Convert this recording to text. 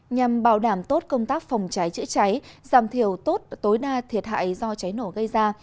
nhằm bảo đảm tốt công tác phòng cháy chữa cháy giảm thiểu tốt tối đa thiệt hại do cháy nổ gây ra